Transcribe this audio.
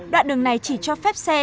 đoạn đường này chỉ cho phép xe